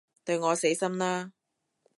對我死心啦